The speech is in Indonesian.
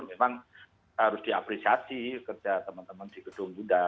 memang harus diapresiasi kerja teman teman di gedung bunda